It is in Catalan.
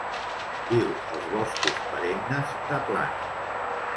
Viu als boscos perennes de plana.